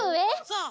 そう。